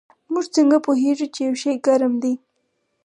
موږ څنګه پوهیږو چې یو شی ګرم دی